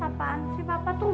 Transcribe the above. apaan sih papa tuh